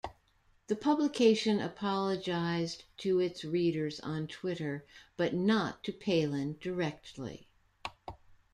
The publication apologized to its readers on Twitter but not to Palin directly.